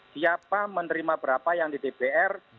siapa menerima berapa yang di dpr